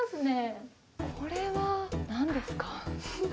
これは何ですか？